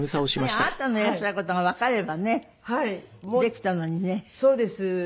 ねえあなたのいらっしゃる事がわかればねできたのにね。